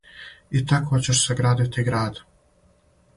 "И тако ћеш саградити града."